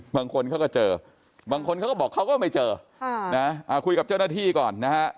บางคนเขาก็เจอบางคนเขาก็บอกเขาก็ไม่เจอคุยกับเจ้าหน้าที่ก่อนนะฮะ